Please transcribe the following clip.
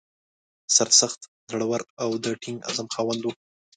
سرسخت، زړه ور او د ټینګ عزم خاوند و.